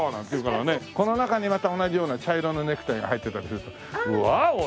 この中にまた同じような茶色のネクタイが入ってたりするとワオ！